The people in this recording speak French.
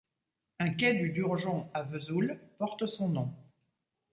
Un quai du Durgeon à Vesoul porte son nom.